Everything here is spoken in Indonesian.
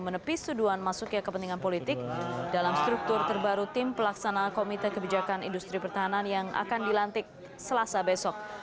menepis tuduhan masuknya kepentingan politik dalam struktur terbaru tim pelaksana komite kebijakan industri pertahanan yang akan dilantik selasa besok